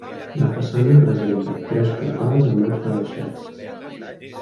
La façana presenta tres portals amb arcs rebaixats.